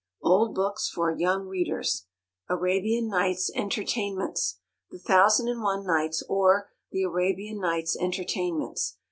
_ Old Books for Young Readers. Arabian Nights' Entertainments. The Thousand and One Nights; or, The Arabian Nights' Entertainments.